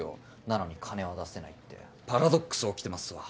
なのに金は出せないってパラドックス起きてますわ。